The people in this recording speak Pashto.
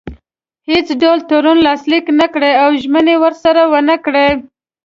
هیڅ ډول تړون لاسلیک نه کړي او ژمنې ورسره ونه کړي.